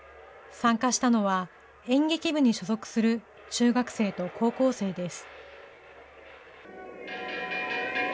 参加したのは、演劇部に所属する中学生と高校生です。